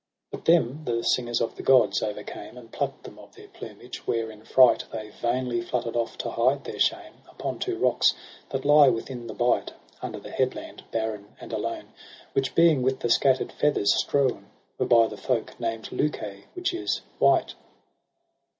4 But them the singers of the gods o'ercame. And pluck'd them of their plumage, where in fright They vainly flutter'd off to hide their shame. Upon two rocks that lie within the bight. Under the headland, barren and alone ; Which, being with the scatter'd feathers strewn. Were, by the folk named LeukiK, which is White.